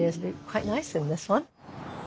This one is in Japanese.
はい。